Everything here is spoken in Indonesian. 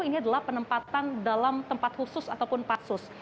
ini adalah penempatan dalam tempat khusus ataupun pasus